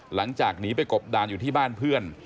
หลังจากหนีไปกบดานอยู่ที่บ้านเพื่อน